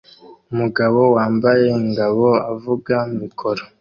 Umugabo wambaye ingabo avuga mikoro